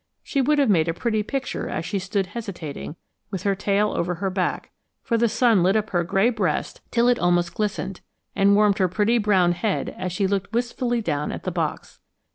She would have made a pretty picture as she stood hesitating, with her tail over her back, for the sun lit up her gray breast till it almost glistened and warmed her pretty brown head as she looked wistfully down at the box.